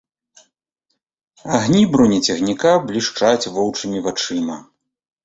Агні бронецягніка блішчаць воўчымі вачыма.